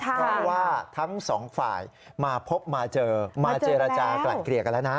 เพราะว่าทั้งสองฝ่ายมาพบมาเจอมาเจรจากลั่นเกลี่ยกันแล้วนะ